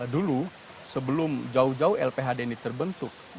dulu sebelum jauh jauh lphd ini terbentuk